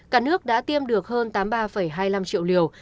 cả nước đã tiêm được hơn tám mươi ba hai mươi năm triệu liều